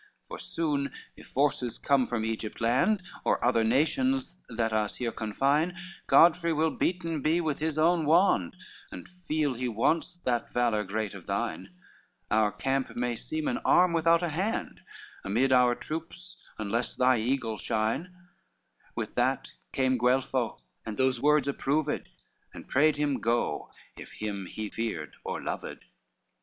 L "For soon, if forces come from Egypt land, Or other nations that us here confine, Godfrey will beaten be with his own wand, And feel he wants that valor great of thine, Our camp may seem an arm without a hand, Amid our troops unless thy eagle shine:" With that came Guelpho and those words approved, And prayed him go, if him he feared or loved.